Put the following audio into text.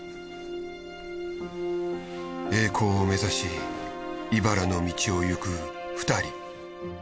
栄光を目指しいばらの道をいく２人。